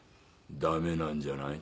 「駄目なんじゃない」。